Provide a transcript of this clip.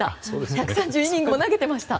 １３０イニングも投げてました。